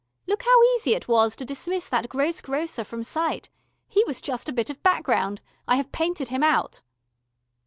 Look how easy it was to dismiss that gross grocer from sight. He was just a bit of background. I have painted him out."